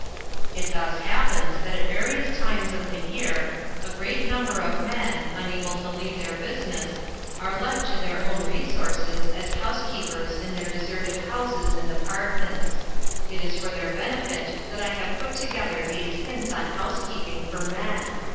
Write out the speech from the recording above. It thus happens that at various times of the year a great number of men, unable to leave their business, are left to their own resources as housekeepers in their deserted houses and apartments. It is for their benefit that I have put together these hints on housekeeping for men.